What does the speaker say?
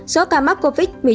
số ca mắc covid một mươi chín